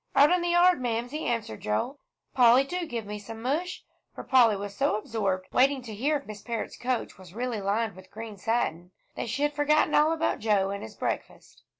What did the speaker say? "Out in the yard, Mamsie," answered Joel. "Polly, do give me some mush," for Polly was so absorbed waiting to hear if Miss Parrott's coach was really lined with green satin, that she had forgotten all about Joe and his breakfast.